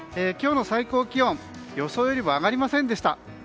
今日の最高気温予想より上がりませんでした。